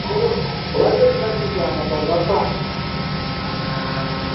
Obadde okimanyi nti amata gafa?